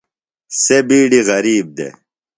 سےۡ بِیڈی غریب دےۡ۔